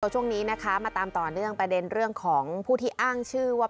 ช่วงนี้นะคะมาตามต่อเนื่องประเด็นเรื่องของผู้ที่อ้างชื่อว่า